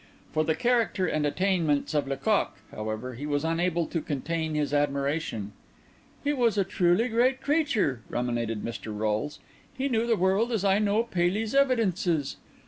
For the character and attainments of Lecoq, however, he was unable to contain his admiration. "He was truly a great creature," ruminated Mr. Rolles. "He knew the world as I know Paley's Evidences.